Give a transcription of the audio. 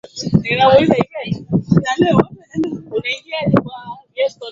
kutumia midundo ya Patrick funk Majani ya Nikusaidieje Lakini wakataka kwanza wawasiliane na mhusika